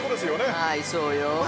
◆はい、そうよ。